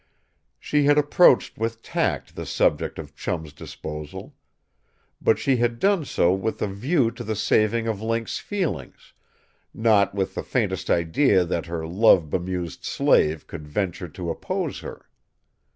She had approached with tact the subject of Chum's disposal. But she had done so with a view to the saving of Link's feelings, not with the faintest idea that her love bemused slave could venture to oppose her.